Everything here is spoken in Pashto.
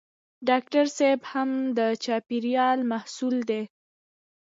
ډاکټر صېب هم د چاپېریال محصول دی.